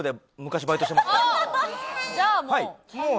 じゃあもう。